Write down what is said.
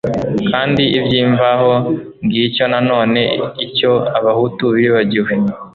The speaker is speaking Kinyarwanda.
kandi iby'imvaho. ngicyo nanone icyo abahutu bibagiwe